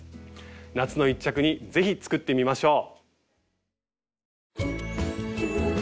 夏の一着にぜひ作ってみましょう。